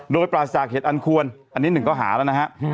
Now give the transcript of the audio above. โดยปราศจากเหตุอันควรอันนี้หนึ่งข้อหาแล้วนะฮะ